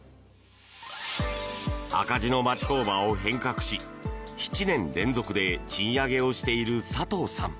赤字の町工場を変革し７年連続で賃上げをしている佐藤さん。